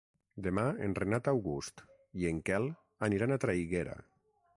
Demà en Renat August i en Quel aniran a Traiguera.